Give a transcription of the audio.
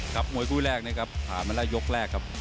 ครับมวยกุ้งแรกนี่ครับหาแม่ละยกแรกครับ